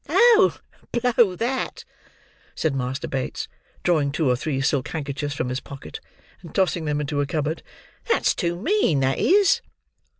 "Oh, blow that!" said Master Bates: drawing two or three silk handkerchiefs from his pocket, and tossing them into a cupboard, "that's too mean; that is."